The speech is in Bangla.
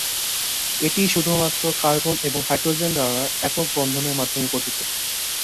এটি শুধু মাত্র কার্বন এবং হাইড্রোজেন দ্বারা একক বন্ধনের মাধ্যমে গঠিত।